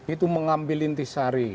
itu mengambil inti sari